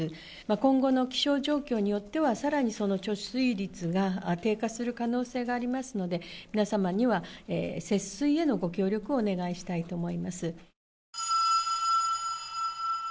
今後の気象状況によっては、さらにその貯水率が低下する可能性がありますので、皆様には節水へのご協力をお願いしたいと思います。